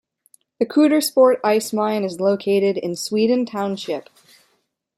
The Coudersport Ice Mine is located in Sweden Township.